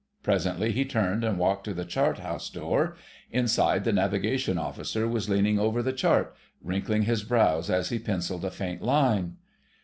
Presently he turned and walked to the chart house door: inside, the Navigation Officer was leaning over the chart, wrinkling his brows as he pencilled a faint line.